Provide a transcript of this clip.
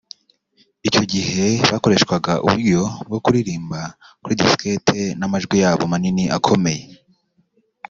icyo gihe bakoreshwaga uburyo bwo kuririmbira kuri diskette n’amajwi yabo manini akomeye